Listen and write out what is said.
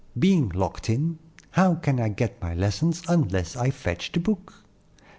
Being locked in, how can I get my lesson unless I fetch the book?